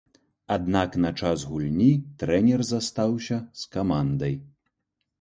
Аднак на час гульні трэнер застаўся з камандай.